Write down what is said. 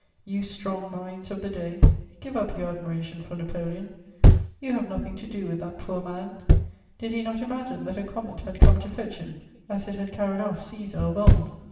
You strong minds of the day, give up your admiration for Napoleon; you have nothing to do with that poor man: did he not imagine that a comet had come to fetch him, as it had carried off Cæsar of old?